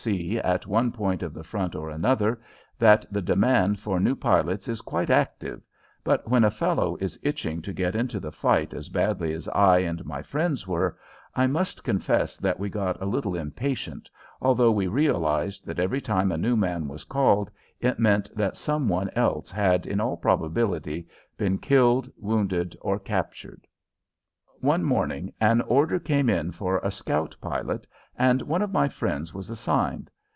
F. C. at one point of the front or another that the demand for new pilots is quite active, but when a fellow is itching to get into the fight as badly as I and my friends were I must confess that we got a little impatient, although we realized that every time a new man was called it meant that some one else had, in all probability, been killed, wounded, or captured. One morning an order came in for a scout pilot, and one of my friends was assigned.